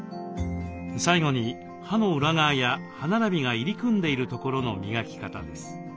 最後に歯の裏側や歯並びが入り組んでいる所の磨き方です。